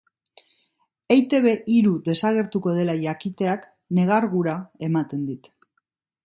Eitb hiru desagertuko dela jakiteak negargura ematen dit.